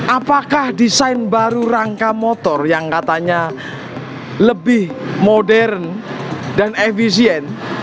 apakah desain baru rangka motor yang katanya lebih modern dan efisien